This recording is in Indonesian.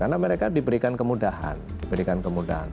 karena mereka diberikan kemudahan diberikan kemudahan